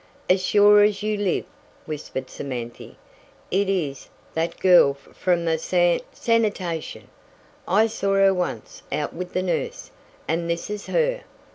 "As sure as you live," whispered Samanthy, "It is that girl from the san sanitation! I saw her once out with the nurse, and this is her!"